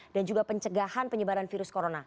dan juga pencegahan penyebaran virus corona